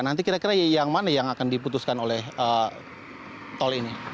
nanti kira kira yang mana yang akan diputuskan oleh tol ini